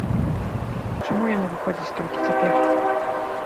Чаму яна выходзіць толькі цяпер?